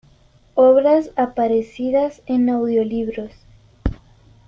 Obras aparecidas en audio libros